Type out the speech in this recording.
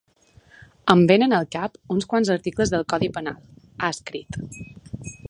Em venen al cap uns quants articles del codi penal, ha escrit.